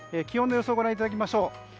気温の予想をご覧いただきましょう。